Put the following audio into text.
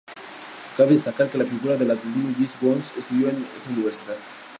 Cabe destacar que la figura del atletismo Jesse Owens estudió en esta universidad.